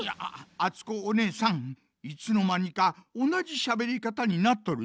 あつこおねえさんいつのまにかおなじしゃべりかたになっとるぞ。